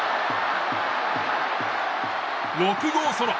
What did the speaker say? ６号ソロ。